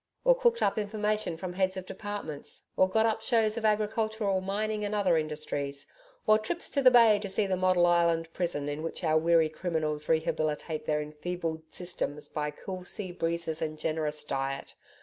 'Or cooked up information from heads of departments; or got up shows of agricultural, mining and other industries. Or trips to the Bay to see the model island prison in which our weary criminals rehabilitate their enfeebled systems by cool sea breezes and generous diet.